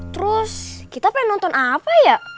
terus kita pengen nonton apa ya